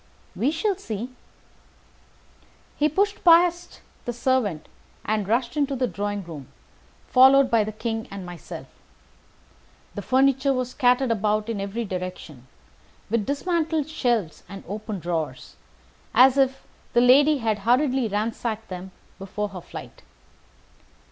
"We shall see." He pushed past the servant and rushed into the drawing room, followed by the King and myself. The furniture was scattered about in every direction, with dismantled shelves and open drawers, as if the lady had hurriedly ransacked them before her flight.